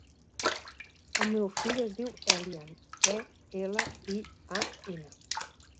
El meu fill es diu Elian: e, ela, i, a, ena.